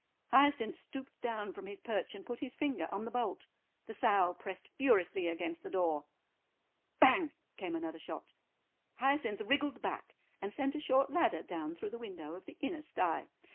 Hyacinth stooped down from his perch and put his finger on the bolt. The sow pressed furiously against the door. "Bang," came another shot. Hyacinth wriggled back, and sent a short ladder down through the window of the inner stye.